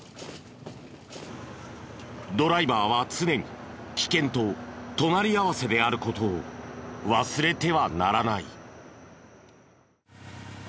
ドライバーは常に危険と隣り合わせである事を忘れてはならない。